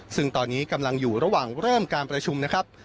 ซึ่งตอนนี้กำลังอยู่ระหว่างเริ่มการประชุมนะครับ